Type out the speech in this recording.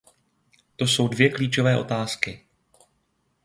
To jsou dvě klíčové otázky.